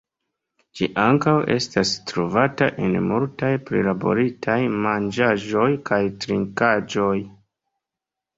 Ĝi ankaŭ estas trovata en multaj prilaboritaj manĝaĵoj kaj trinkaĵoj.